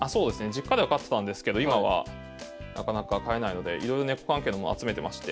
実家では飼ってたんですけど今はなかなか飼えないのでいろいろネコ関係のもの集めてまして。